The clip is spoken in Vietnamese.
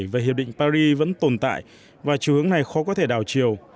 về hiệp định paris vẫn tồn tại và trường hướng này khó có thể đào chiều